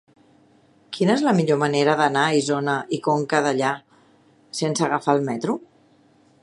Quina és la millor manera d'anar a Isona i Conca Dellà sense agafar el metro?